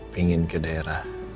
pingin ke daerah